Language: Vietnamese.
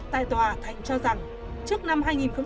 tại tòa thành cho rằng trước năm hai nghìn một mươi bảy